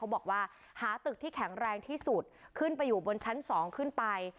บอกว่าหาตึกที่แข็งแรงที่สุดขึ้นไปอยู่บนชั้น๒ขึ้นไป